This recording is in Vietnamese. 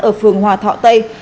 ở phường hòa thọ tây